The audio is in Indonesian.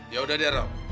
yaudah deh rob